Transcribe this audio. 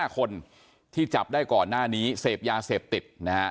๕คนที่จับได้ก่อนหน้านี้เสพยาเสพติดนะฮะ